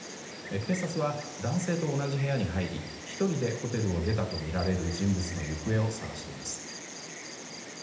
警察は、男性と同じ部屋に入り１人でホテルを出たとみられる人物の行方を捜しています。